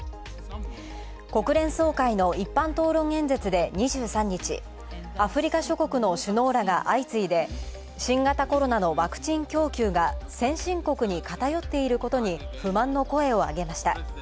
国連総会の一般討論演説で２３日、アフリカ諸国の首脳らが相次いで、新型コロナのワクチン供給が先進国に偏っていることに不満の声を上げました。